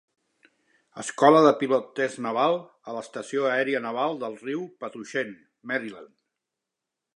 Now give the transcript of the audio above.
Escola de Pilot Test Naval a l'Estació Aèria Naval del riu Patuxent, Maryland.